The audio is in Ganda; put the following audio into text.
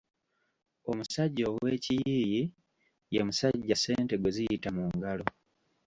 Omusajja ow’Ekiyiiyi ye musajja ssente gwe ziyita mu ngalo.